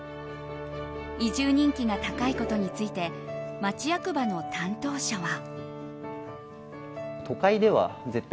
移住人気が高いことについて町役場の担当者は。